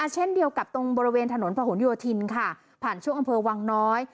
เช่นเดียวกับตรงบริเวณถนนผ่านชั่วอำเภอวังน้อย